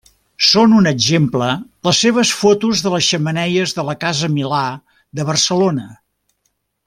Són un exemple les seves fotos de les xemeneies de la Casa Milà de Barcelona.